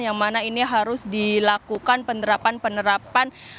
yang mana ini harus dilakukan penerapan penerapan